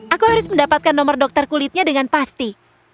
aku harus mendapatkan nomor dokter kulitnya dengan pasti